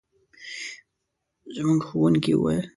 زموږ ښوونکي وویل.